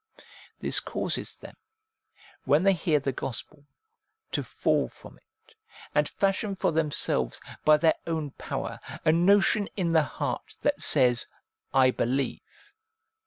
This causes them, when they hear the gospel, to fall from it, and fashion for themselves, by their own power, a notion in the heart, that says :' I believe.'